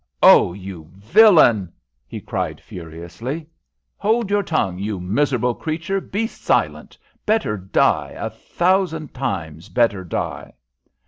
"Oh, you villain!" he cried, furiously. "Hold your tongue, you miserable creature! Be silent! Better die a thousand times better die!"